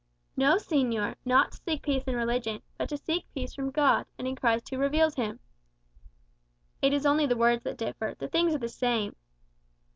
"No, señor; not to seek peace in religion, but to seek peace from God, and in Christ who reveals him." "It is only the words that differ, the things are the same."